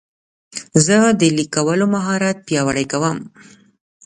زه د لیک کولو مهارت پیاوړی کوم.